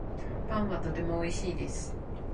パンはとてもおいしいです